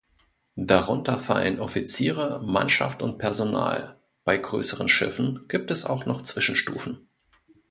Darunter fallen Offiziere, Mannschaft und Personal, bei größeren Schiffen gibt es auch noch Zwischenstufen.